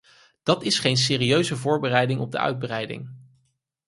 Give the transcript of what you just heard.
Dat is geen serieuze voorbereiding op de uitbreiding.